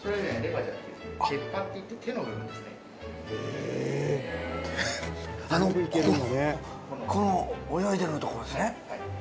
手あのこの泳いでるとこですね。